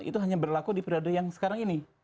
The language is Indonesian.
itu hanya berlaku di periode yang sekarang ini